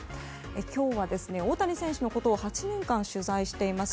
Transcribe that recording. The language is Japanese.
今日は、大谷選手のことを８年間取材しています